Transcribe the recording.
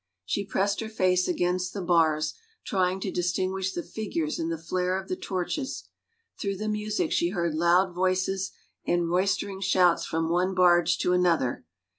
She pressed her face against the bars trying to distinguish the figures in the flare of the torches; through the music she heard loud voices and roistering shouts from one barge to another.